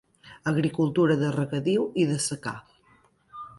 Agricultura de regadiu i de secà.